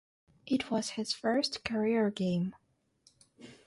It was his first career game.